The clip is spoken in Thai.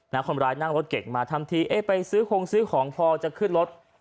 น้าคนร้ายนั่งรถเก็บมาไปของซื้อของพอจะขึ้นรถ